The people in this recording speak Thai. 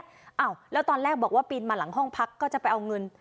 อ้าวแล้วตอนแรกบอกว่าปีนมาหลังห้องพักก็จะไปเอาเงิน